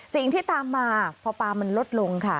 สิ่งที่ตามมาพอปลามันลดลงค่ะ